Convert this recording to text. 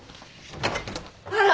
あら。